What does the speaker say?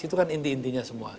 itu kan inti intinya semua